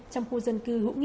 trong khu dân cư hữu nghị